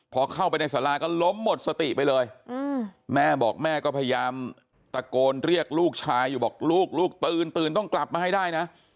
พอเข้าไปในสาราก็ล้มหมดสติไปเลยแม่บอกแม่ก็พยายามตะโกนเรียกลูกชายอยู่บอกลูกลูกตื่นตื่นต้องกลับมาให้ได้นะ